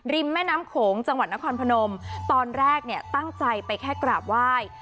แม่น้ำโขงจังหวัดนครพนมตอนแรกเนี่ยตั้งใจไปแค่กราบไหว้